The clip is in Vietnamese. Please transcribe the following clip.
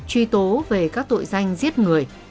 truy tố về các tội danh giết người